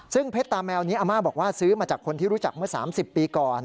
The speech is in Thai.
ซึ่งเพชรตาแมวนี้อาม่าบอกว่าซื้อมาจากคนที่รู้จักเมื่อ๓๐ปีก่อน